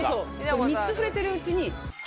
３つ触れてるうちに。